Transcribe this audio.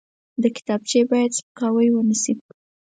کتابچه باید سپکاوی ونه شي